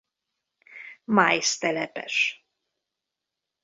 Miles telepes.